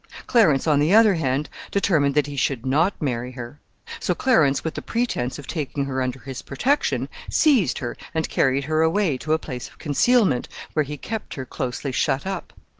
Clarence, on the other hand, determined that he should not marry her. So Clarence, with the pretense of taking her under his protection, seized her, and carried her away to a place of concealment, where he kept her closely shut up.